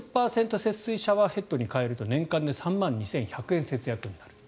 節水シャワーヘッドに替えると年間で３万２１００円節約になる。